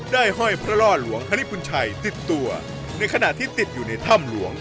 ห้อยพระล่อหลวงฮริปุญชัยติดตัวในขณะที่ติดอยู่ในถ้ำหลวง